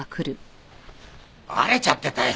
バレちゃってたよ